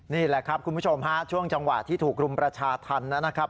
นี่แหละครับคุณผู้ชมฮะช่วงจังหวะที่ถูกรุมประชาธรรมนะครับ